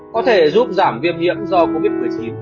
có thể giúp giảm viêm hiểm do covid một mươi chín